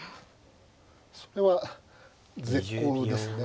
それは絶好ですね。